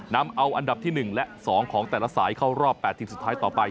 นำเอาอันดับที่๑และ๒ของแต่ละสายเข้ารอบ๘ทีมสุดท้ายต่อไป